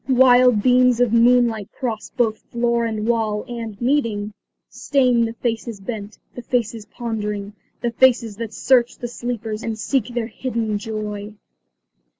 Wild beams of moonlight cross both floor and wall, and, meeting, stain the faces bent; the faces pondering; the faces that search the sleepers and seek their hidden joy.